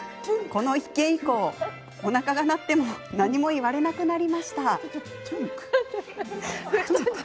この一件以降おなかが鳴っても何も言われなくなりました。